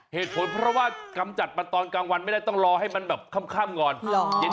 เหตุผลเพราะว่ากำจัดมาตอนกลางวันไม่ได้ต้องรอให้มันแบบค่ำก่อน